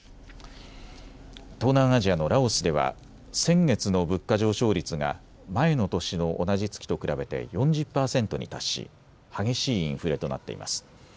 東南アジアのラオスでは先月の物価上昇率が前の年の同じ月と比べて４０％に達し激しいインフレとなっています。